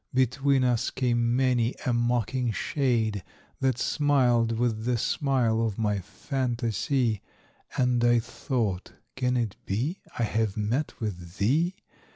Between us came many a mocking shade, That smiled with the smile of my fantasy, And I thought, can it be I have met with thee?